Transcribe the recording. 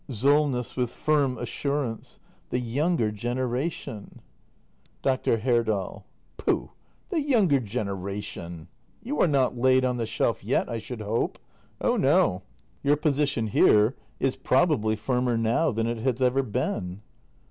Solness. [With firm assurance.] The younger generation. 284 THE MASTER BUILDER [act i Dr. Herdal. Pooh! The younger generation! You are not laid on the shelf yet, I should hope. Oh no — your position here is probably firmer now than it has ever been.